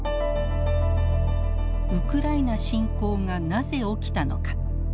ウクライナ侵攻がなぜ起きたのか。